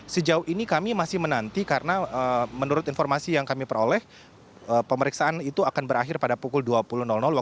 sejauh ini kami masih menanti karena menurut informasi yang kami peroleh pemeriksaan itu akan berakhir pada pukul dua puluh